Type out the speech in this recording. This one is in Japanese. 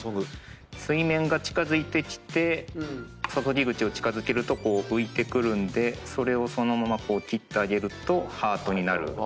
水面が近づいてきて注ぎ口を近づけるとこう浮いてくるのでそれをそのまま切ってあげるとハートになる。